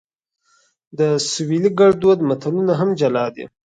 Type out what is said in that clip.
د سویلي ګړدود متلونه هم جلا دي